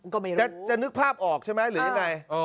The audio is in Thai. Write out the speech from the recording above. ก็ไม่รู้จะนึกภาพออกใช่ไหมหรือยังไง